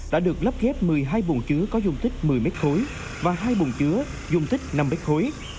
đã được lắp ghép một mươi hai bồn chứa có dung tích một mươi mét khối và hai bồng chứa dung tích năm mét khối